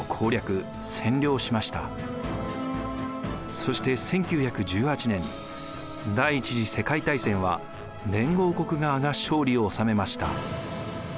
そして１９１８年第一次世界大戦は連合国側が勝利を収めました。